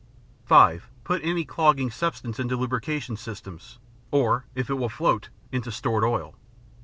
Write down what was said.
(5) Put any clogging substance into lubrication systems or, if it will float, into stored oil.